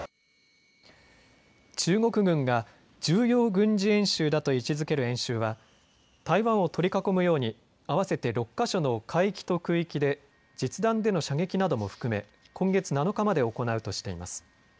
中国軍が重要軍事演習だと位置づける演習は台湾を取り囲むように合わせて６か所の海域と空域で実弾での射撃なども含め今月７日まで行うとしています。